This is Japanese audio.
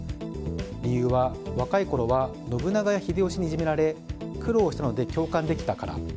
理由は、若いころは信長や秀吉にいじめられ苦労したので共感できたから。